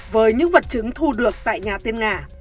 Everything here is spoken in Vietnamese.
với những vật chứng thu được tại nhà tiên ngà